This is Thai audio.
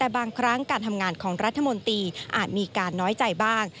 แต่บางครั้งการทำงานของรัฐมนตรีอาจมีการน้อยใจบ้าง